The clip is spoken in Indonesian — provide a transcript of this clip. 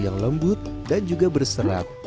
yang lembut dan juga berserat